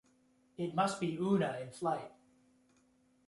It must be Oona in flight.